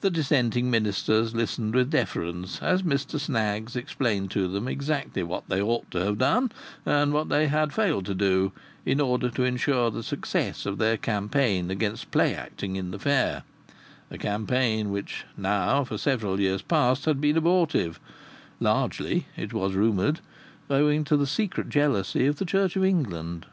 The dissenting ministers listened with deference as Mr Snaggs explained to them exactly what they ought to have done, and what they had failed to do, in order to ensure the success of their campaign against play acting in the Fair; a campaign which now for several years past had been abortive largely (it was rumoured) owing to the secret jealousy of the Church of England.